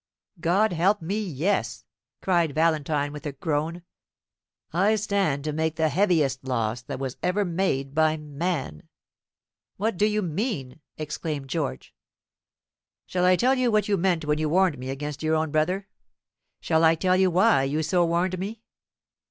"God help me, yes!" cried Valentine, with a groan; "I stand to make the heaviest loss that was ever made by man." "What do you mean?" exclaimed George. "Shall I tell you what you meant when you warned me against your own brother? Shall I tell you why you so warned me?